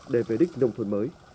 để về đích nông thuần mới